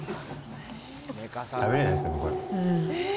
食べれないですね、これ。